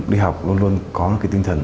đi học luôn luôn có cái tinh thần